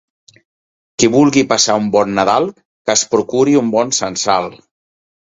Qui vulgui passar un bon Nadal que es procuri un bon censal.